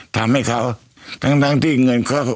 ทำให้เขาทั้งที่เงินเขา